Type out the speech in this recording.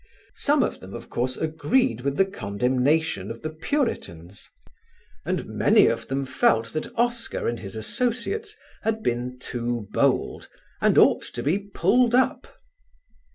Some of them of course agreed with the condemnation of the Puritans, and many of them felt that Oscar and his associates had been too bold, and ought to be pulled up.